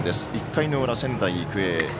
１回の裏、仙台育英。